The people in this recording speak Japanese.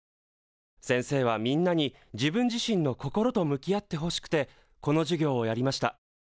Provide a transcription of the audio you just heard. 先生はみんなに自分自身の心と向き合ってほしくてこの授業をやりました。